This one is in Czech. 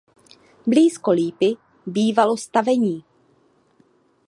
Blízko lípy bývalo stavení.